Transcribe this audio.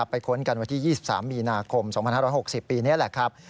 ค้นกันวันที่๒๓มีนาคม๒๕๖๐ปีนี้แหละครับ